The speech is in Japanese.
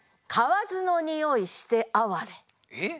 えっ？